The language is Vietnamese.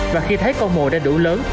và khi thấy con mồ đã đủ lớn